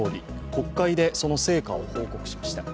国会でその成果を報告しました。